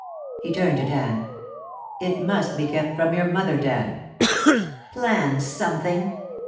He turned to Dan. "It must be kept from your mother, Dan." "Plan something!"